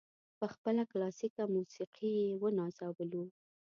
په خپله کلاسیکه موسیقي یې ونازولو.